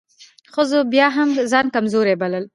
ښځو بيا هم ځان کمزورۍ بلل .